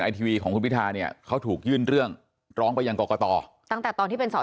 ทีวีของคุณพิธาเนี่ยเขาถูกยื่นเรื่องร้องไปยังกรกตตั้งแต่ตอนที่เป็นสอ